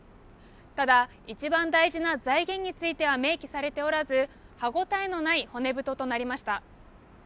ただ一番大事な財源については明記されておらず歯応えのない骨太となりました。